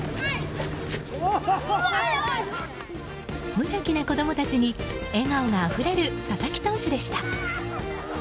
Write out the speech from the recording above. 無邪気な子供たちに笑顔があふれる佐々木投手でした。